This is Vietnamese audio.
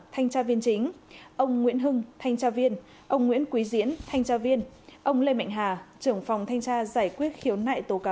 thanh tra viên chính ông nguyễn hưng thanh tra viên ông nguyễn quý diễn thanh tra viên